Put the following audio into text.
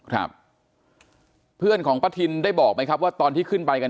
ครับผมเพราะว่าเขารู้จักพื้นที่นะครับ